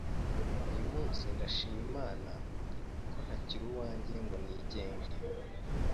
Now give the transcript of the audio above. Uyu munsi ndashima Imana ko ntakiri uwanjye ngo nigenge